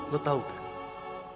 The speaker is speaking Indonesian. lo tau kan